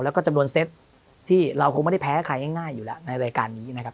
แล้วก็จำนวนเซตที่เราคงไม่ได้แพ้ใครง่ายอยู่แล้วในรายการนี้นะครับ